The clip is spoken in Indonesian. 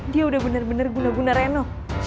dia udah bener bener guna guna reno